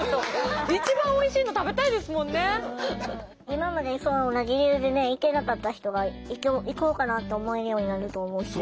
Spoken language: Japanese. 今まで同じ理由でね行けなかった人が行こうかなと思えるようになると思うし。